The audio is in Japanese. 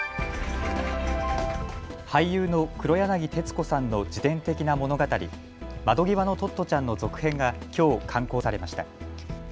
俳優の黒柳徹子さんの自伝的な物語、窓ぎわのトットちゃんの続編がきょう刊行されました。